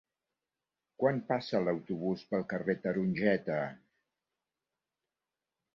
Quan passa l'autobús pel carrer Tarongeta?